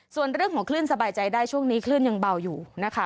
ส่วนเรื่องของคลื่นสบายใจได้ช่วงนี้คลื่นยังเบาอยู่นะคะ